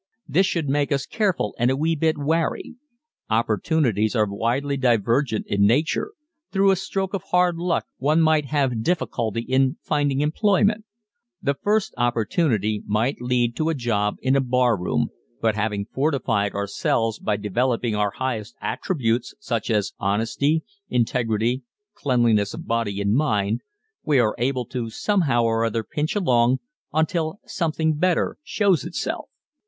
This should make us careful and a wee bit wary. Opportunities are widely divergent in nature through a stroke of hard luck one might have difficulty in finding employment. The first opportunity might lead to a job in a bar room, but having fortified ourselves by developing our highest attributes such as honesty, integrity, cleanliness of body and mind we are able to somehow or other pinch along until something better shows itself.